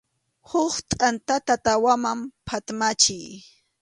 Huk tʼantata tawaman phatmanchik.